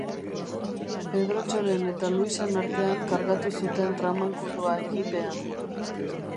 Pedrotxoren eta Luisen artean kargatu zuten tramankulua jeepean.